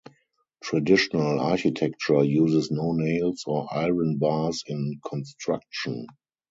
Traditional architecture uses no nails or iron bars in construction.